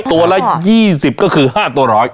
ตัวละ๒๐ก็คือ๕ตัว๑๐๐